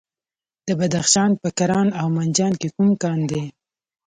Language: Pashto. د بدخشان په کران او منجان کې کوم کان دی؟